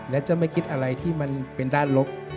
และจะไม่คิดอะไรที่มันเป็นด้านลบ